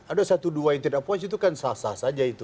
ada satu dua yang tidak puas itu kan sah sah saja itu